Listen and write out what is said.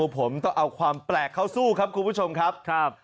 ผมต้องเอาความแปลกเข้าสู้ครับคุณผู้ชมครับ